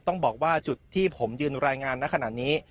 ต้องบอกว่าจุดที่ผมยืนรายงานในขณะนี้